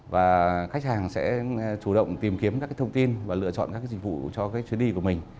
và khách hàng sẽ chủ động tìm kiếm các cái thông tin và lựa chọn các cái dịch vụ cho cái chuyến đi của mình